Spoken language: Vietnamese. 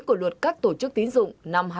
của luật các tổ chức tín dụng